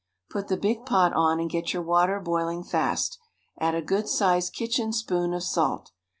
Put the big pot on and get your water boiling fast. Add a good sized kitchen spoon of salt.